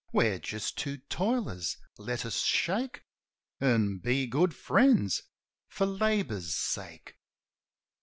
We're just two toilers ; let us shake. An' be good friends — for labour's sake.'